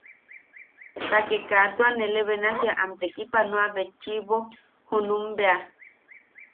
Pake ka tua nele benasia am tekipanoanebetchʼibo junum bea.